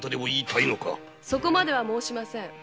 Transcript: そこまでは申しません。